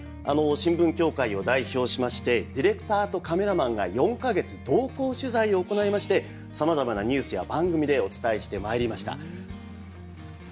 新聞協会を代表しましてディレクターとカメラマンが４か月同行取材を行いましてさまざまなニュースや番組でお伝えしてまいりました。